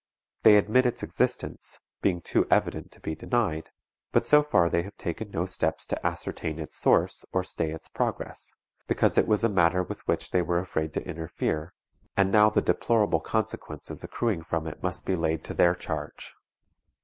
They admit its existence, being too evident to be denied; but so far they have taken no steps to ascertain its source or stay its progress, because it was a matter with which they were afraid to interfere, and now the deplorable consequences accruing from it must be laid to their charge.